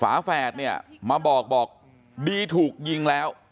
ฝาแฝดเนี่ยมาบอกบอกดีถูกยิงแล้ว